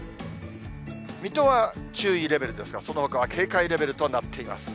水戸は注意レベルですが、そのほかは警戒レベルとなっています。